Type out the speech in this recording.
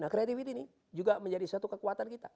nah kreatifitas ini juga menjadi satu kekuatan kita